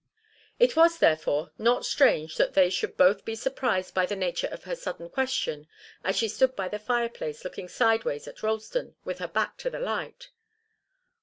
It was, therefore, not strange that they should both be surprised by the nature of her sudden question as she stood by the fireplace looking sideways at Ralston, with her back to the light.